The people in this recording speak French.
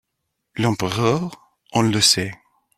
L’empereur… on le sait…